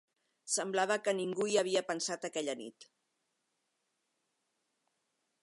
Semblava que ningú hi havia pensat aquella nit.